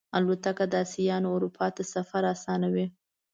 الوتکه د آسیا نه اروپا ته سفر آسانوي.